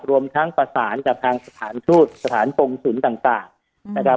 รวมทั้งประสานกับทางสถานทูตสถานกงศูนย์ต่างนะครับ